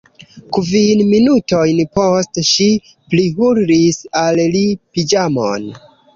Kvin minutojn poste, ŝi prihurlis al li piĵamon.